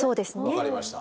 分かりました。